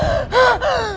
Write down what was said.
di pintu sini